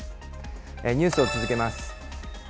ニュースを続けます。